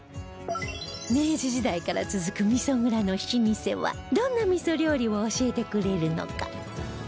明治時代から続く味噌蔵の老舗はどんな味噌料理を教えてくれるのか？